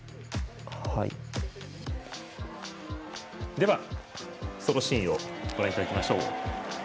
では、そのシーンをご覧いただきましょう。